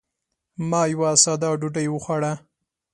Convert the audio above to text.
ما یوه ساده ډوډۍ وخوړه.